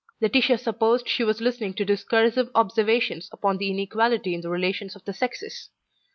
Laetitia supposed she was listening to discursive observations upon the inequality in the relations of the sexes.